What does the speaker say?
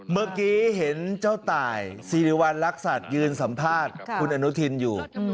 เมื่อกี้เห็นเจ้าตายสิริวัณรักษัตริย์ยืนสัมภาษณ์คุณอนุทินอยู่